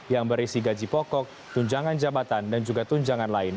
yang berisi gaji pokok tunjangan jabatan dan juga tunjangan lain